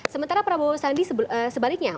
sementara prabowo sandi sebaliknya